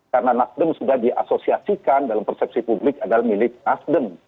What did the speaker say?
karena nasdem sudah diasosiasikan dalam persepsi publik adalah milik nasdem